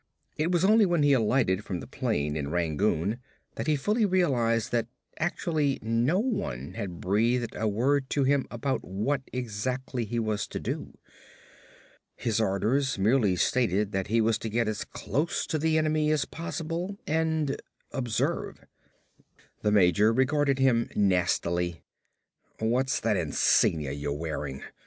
It was only when he alighted from the plane in Rangoon that he fully realized that actually no one had breathed a word to him about what exactly he was to do. His orders merely stated that he was to get as close to the enemy as possible and observe. The major regarded him nastily. "What's that insignia you're wearing?